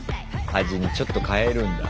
味にちょっと変えるんだ。